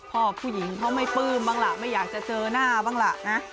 ผู้หญิงเขาไม่ปลื้มบ้างล่ะไม่อยากจะเจอหน้าบ้างล่ะนะ